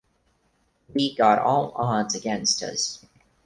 We got all odds against us.